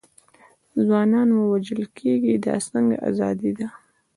ځوانان مو وژل کېږي، دا څنګه ازادي ده.